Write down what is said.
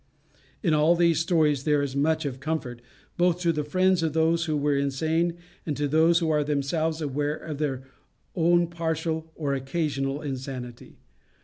In all these stories there is much of comfort both to the friends of those who are insane, and to those who are themselves aware of their own partial or occasional insanity.